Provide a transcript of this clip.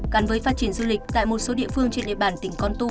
cắn với phát triển du lịch tại một số địa phương trên địa bàn tỉnh con tum